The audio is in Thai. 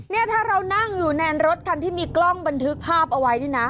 เนี่ยถ้าเรานั่งอยู่ในรถคันที่มีกล้องบันทึกภาพเอาไว้นี่นะ